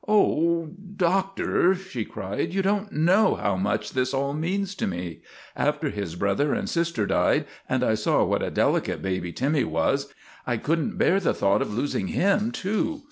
' Oh, Doctor," she cried, " you don't know how much this all means to me. After his brother and sister died, and I saw what a delicate baby Timmy was, I could n't bear the thought of losing him, too.